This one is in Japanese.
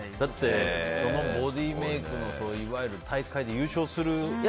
ボディーメイクのいわゆる大会で優勝する、すごい。